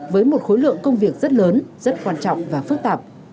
với một khối lượng công việc rất lớn rất quan trọng và phức tạp